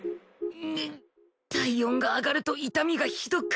うっ体温が上がると痛みがひどく